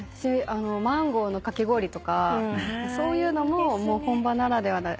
マンゴーのかき氷とかそういうのも本場ならでは。